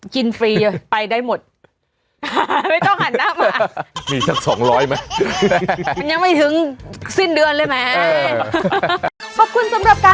ฟรีเลยไปได้หมดไม่ต้องหันหน้ามา